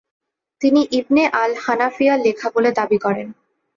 তিনি ইবনে আল হানাফিয়ার লেখা বলে দাবী করেন।